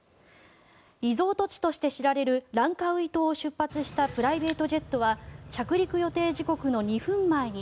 リゾート地として知られるランカウイ島を出発したプライベートジェットは着陸予定時刻の２分前に